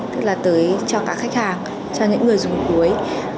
tức là tới cho các khách hàng cho những người dùng cuối